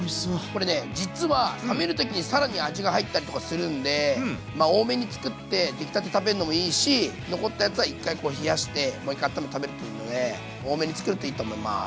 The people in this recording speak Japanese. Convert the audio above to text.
これね実は冷める時に更に味が入ったりとかするんでまあ多めに作って出来たて食べるのもいいし残ったやつは一回冷やしてもう一回あっためて食べるといいので多めに作るといいと思います。